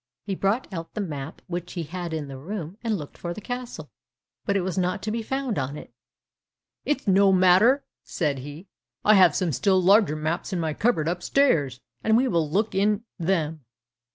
He brought out the map which he had in the room and looked for the castle, but it was not to be found on it. "It's no matter!" said he, "I have some still larger maps in my cupboard upstairs, and we will look in them."